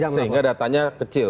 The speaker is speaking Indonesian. sehingga datanya kecil